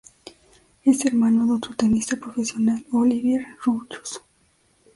Es hermano de otro tenista profesional, Olivier Rochus.